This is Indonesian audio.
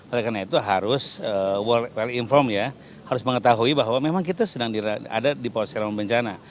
oleh karena itu harus world well inform ya harus mengetahui bahwa memang kita sedang ada di posisi rawan bencana